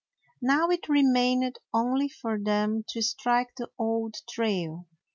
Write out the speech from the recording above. Now it remained only for them to strike the old trail.